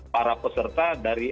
para peserta dari